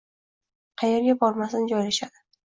Qaerga bormasin, joylashadi